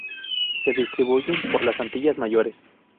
Se distribuyen por las Antillas Mayores.